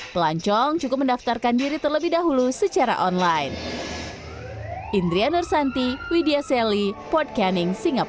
pelancong cukup mendaftarkan diri terlebih dahulu secara online